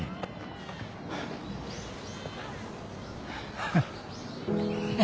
ハハハ。